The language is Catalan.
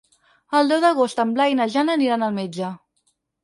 El deu d'agost en Blai i na Jana aniran al metge.